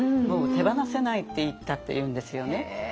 もう手放せないって言ったっていうんですよね。